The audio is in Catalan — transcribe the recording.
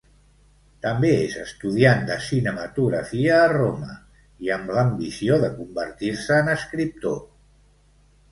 També és estudiant de cinematografia a Roma, i amb l'ambició de convertir-se en escriptor.